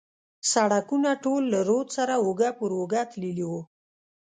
سړکونه ټول له رود سره اوږه پر اوږه تللي و.